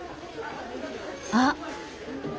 あっ！